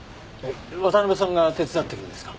渡辺さんが手伝ってるんですか？